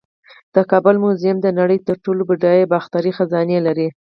د کابل میوزیم د نړۍ تر ټولو بډایه باختري خزانې لري